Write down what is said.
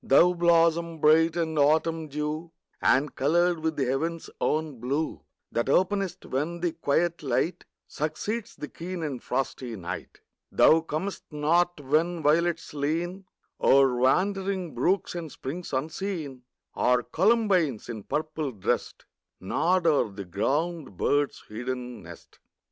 Thou blossom bright with autumn dew, And coloured with the heaven's own blue, That openest when the quiet light Succeeds the keen and frosty night. Thou comest not when violets lean O'er wandering brooks and springs unseen, Or columbines, in purple dressed, Nod o'er the ground bird's hidden nest.